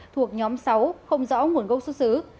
thuộc nhóm sáu không rõ nguồn gốc xuất xứ